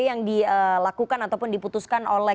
yang dilakukan ataupun diputuskan oleh